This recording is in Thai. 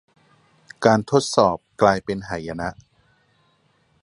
การทดสอบกลายเป็นหายนะ